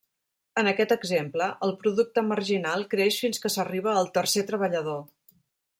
En aquest exemple, el producte marginal creix fins que s'arriba al tercer treballador.